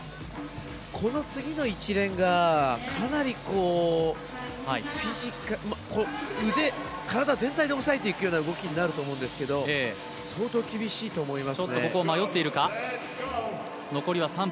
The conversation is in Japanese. この次の一連がかなり体全体でおさえていく動きになると思うんですが相当厳しいと思います。